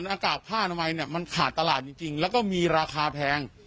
อากาศผ้าทำไมมันขาดตลาดจริงแล้วก็มีราคาแพง